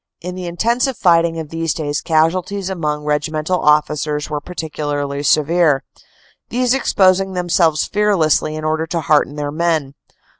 In the intensive fighting of these days casualties among regimental officers were particularly severe, these exposing themselves fearlessly in order to hearten their men.